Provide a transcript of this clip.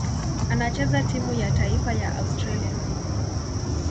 Anachezea timu ya taifa ya Australia.